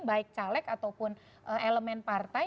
baik caleg ataupun elemen partai